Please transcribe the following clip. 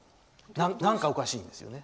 なんかおかしいんですよね